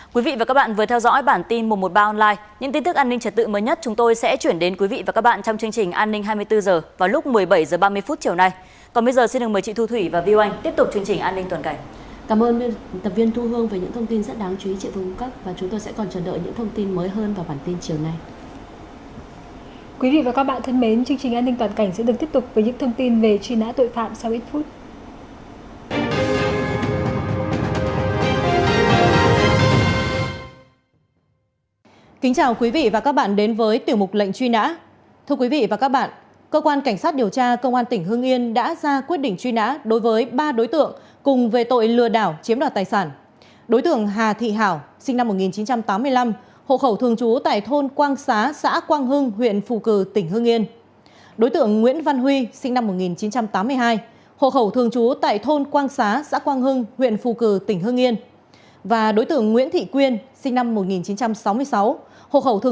quý vị và các bạn thân mến chương trình an ninh toàn cảnh sẽ được tiếp tục với những thông tin về truy nã tội phạm sau ít phút